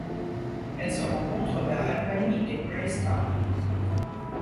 Elle se rencontre vers Albany et Gracetown.